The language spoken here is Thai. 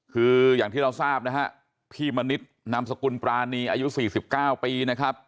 คืออย่างที่เราทราบนะฮะพี่มณิษฐ์นามสกุลปรานีอายุ๔๙ปีนะครับ